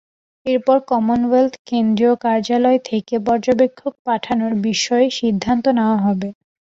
এরপর কমনওয়েলথ কেন্দ্রীয় কার্যালয় থেকে পর্যবেক্ষক পাঠানোর বিষয়ে সিদ্ধান্ত নেওয়া হবে।